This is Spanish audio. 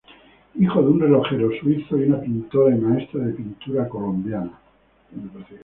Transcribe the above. Hijo de un relojero suizo y una pintora y maestra de pintura colombiana.